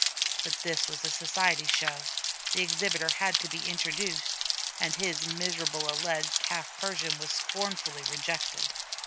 But this was a society show, the exhibitor had to be introduced, and his miserable alleged half Persian was scornfully rejected.